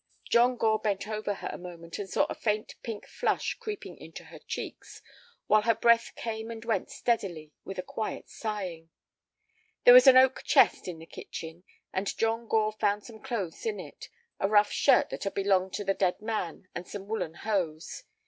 John Gore bent over her a moment and saw a faint pink flush creeping into her cheeks, while her breath came and went steadily with a quiet sighing. There was an oak chest in the kitchen, and John Gore found some clothes in it: a rough shirt that had belonged to the dead man and some woollen hose.